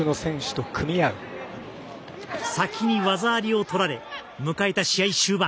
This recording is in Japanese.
先に技ありを取られ迎えた試合終盤。